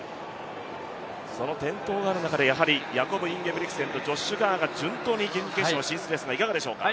その転倒がある中で、ヤコブ・インゲブリクセンとジョッシュ・カーが順当に準決勝進出ですが、いかがでしょうか？